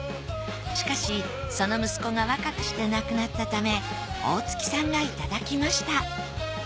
しかしその息子が若くして亡くなったため大槻さんがいただきました。